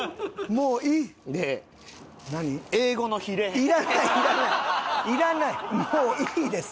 もういいです。